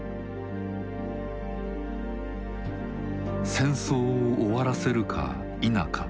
戦争を終わらせるか否か。